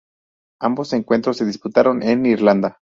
Ambos encuentros se disputaron en Irlanda.